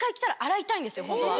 ホントは。